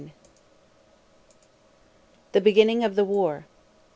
THE BEGINNING OF THE WAR.